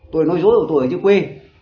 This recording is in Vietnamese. tôi nói dối của tôi ở chứ quê